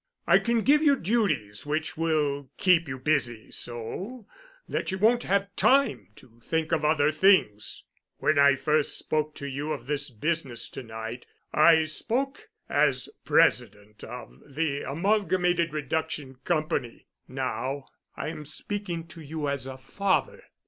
I can give you duties which will keep you busy so that you won't have time to think of other things. When I first spoke to you of this business to night I spoke as President of the Amalgamated Reduction Company, now I am speaking to you as a father.